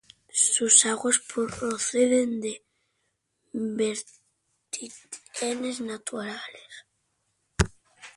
Sus aguas proceden de vertientes naturales.